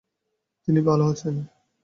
তিনি ভালো আছেন।